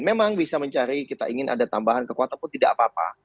memang bisa mencari kita ingin ada tambahan kekuatan pun tidak apa apa